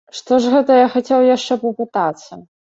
Што ж гэта я хацеў яшчэ папытацца?